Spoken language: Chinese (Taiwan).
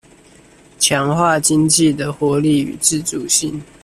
強化經濟的活力與自主性